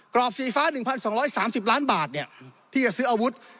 รอบสีฟ้า๑๒๓๐ล้านบาทที่จะซื้ออาวุธ